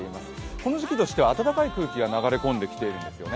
この時期としては暖かい空気が流れ込んでいるんですよね。